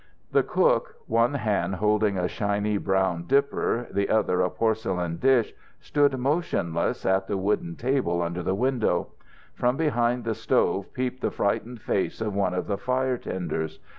The cook, one hand holding a shiny brown dipper, the other a porcelain dish, stood motionless at the wooden table under the window. From behind the stove peeped the frightened face of one of the fire tenders.